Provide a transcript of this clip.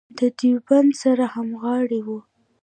د دیوبند سره همغاړې وه.